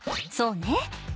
そうね。